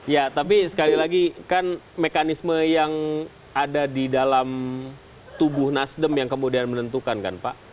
ya tapi sekali lagi kan mekanisme yang ada di dalam tubuh nasdem yang kemudian menentukan kan pak